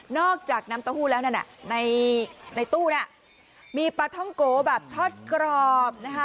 จากน้ำเต้าหู้แล้วนั่นน่ะในตู้น่ะมีปลาท่องโกแบบทอดกรอบนะคะ